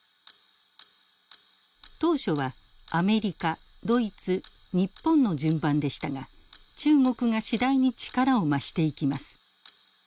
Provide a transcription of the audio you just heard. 当初はアメリカドイツ日本の順番でしたが中国が次第に力を増していきます。